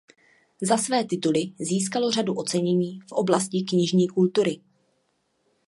Za své tituly získalo řadu ocenění v oblasti knižní kultury.